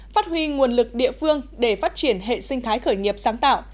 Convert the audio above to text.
phát huy nguồn lực địa phương để phát triển hệ sinh thái khởi nghiệp sáng tạo